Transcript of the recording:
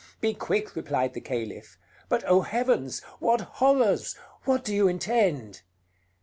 "Be quick," replied the Caliph. "But oh, heavens! what horrors! What do you intend?"